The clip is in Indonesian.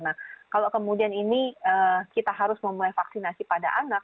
nah kalau kemudian ini kita harus memulai vaksinasi pada anak